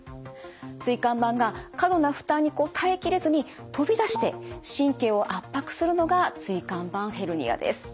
椎間板が過度な負担に耐え切れずに飛び出して神経を圧迫するのが椎間板ヘルニアです。